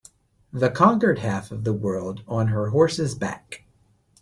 The conquered half of the world on her horse's back.